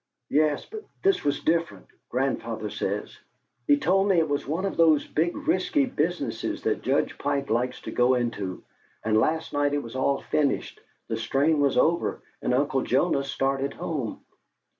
"Yes, but this was different, grandfather says. He told me it was in one of those big risky businesses that Judge Pike likes to go into. And last night it was all finished, the strain was over, and Uncle Jonas started home.